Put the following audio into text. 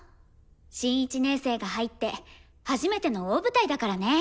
新１年生が入って初めての大舞台だからね。